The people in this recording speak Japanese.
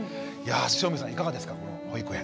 汐見さんいかがですかこの保育園。